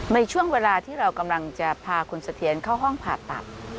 ในช่วงเวลาที่เรากำลังจะพาคุณสะเทียนเข้าห้องผ่าตัด